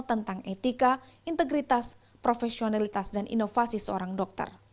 tentang etika integritas profesionalitas dan inovasi seorang dokter